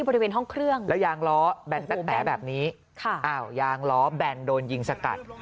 โดนยิงสกัด